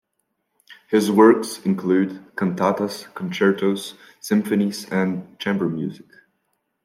His works include cantatas, concertos, symphonies, and chamber music.